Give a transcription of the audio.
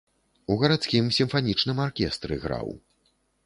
У гарадскім сімфанічным аркестры граў.